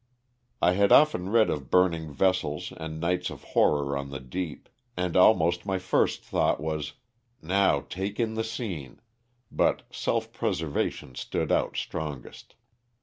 I had often read of burning vessels and nights of horror on the deep, and almost my first thought was, "now, take in the scene," but self preservation stood out strongest.